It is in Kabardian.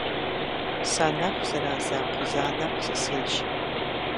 Санэху зэраза кхъузанэр сысейщ.